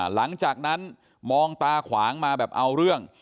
หลังจากนั้นมองตาขวางมาแบบเอาเรื่อง